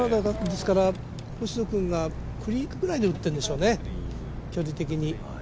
星野君がクリークぐらいで打ってるんでしょうね、距離的に。